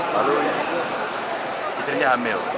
lalu istrinya hamil